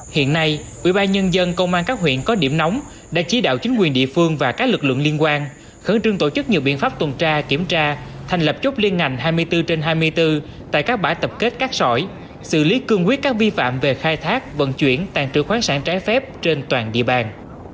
hiện nay ubnd công an các huyện có điểm nóng đã chỉ đạo chính quyền địa phương và các lực lượng liên quan khẩn trương tổ chức nhiều biện pháp tuần tra kiểm tra thành lập chốt liên ngành hai mươi bốn trên hai mươi bốn tại các bãi tập kết cát sỏi xử lý cương quyết các vi phạm về khai thác vận chuyển tàn trữ khoáng sản trái phép trên toàn địa bàn